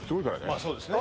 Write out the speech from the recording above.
まあそうですね